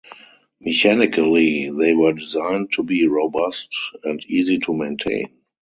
Mechanically, they were designed to be robust and easy to maintain.